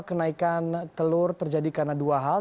kenaikan telur terjadi karena dua hal